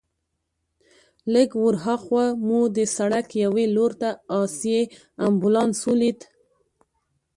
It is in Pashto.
لږ ورهاخوا مو د سړک یوې لور ته آسي امبولانس ولید.